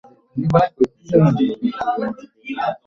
এসব শুরু হয়েছিল ম্যানিকে দিয়ে, আমার প্রিয় ম্যানিকে দিয়ে।